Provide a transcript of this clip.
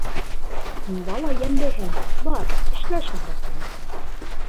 «Һин бала йәнлеһең, бар, эшлә шунда», - тине.